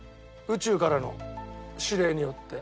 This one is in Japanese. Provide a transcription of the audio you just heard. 宇宙からの指令によって。